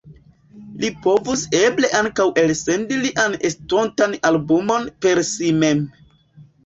Li povus eble ankaŭ elsendi lian estontan albumon per si mem.